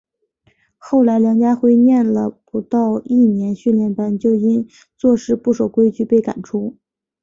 后来梁家辉念了不到一年训练班就因为做事不守规矩被赶出。